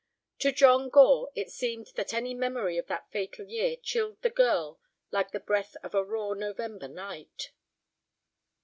To John Gore it seemed that any memory of that fatal year chilled the girl like the breath of a raw November night.